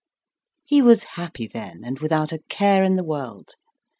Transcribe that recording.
He was happy then, and without a care in the world.